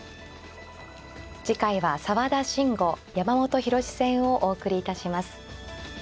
次回は澤田真吾山本博志戦をお送りいたします。